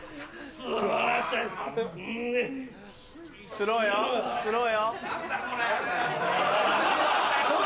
スローよスローよ。